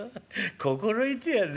心得てやんね。